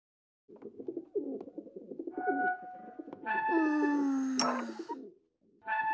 うん。